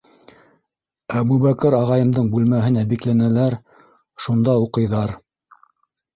Әбүбәкер ағайымдың бүлмәһенә бикләнәләр, шунда уҡыйҙар.